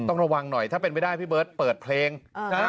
ต้องระวังหน่อยถ้าเป็นไม่ได้พี่เบิร์ตเปิดเพลงนะ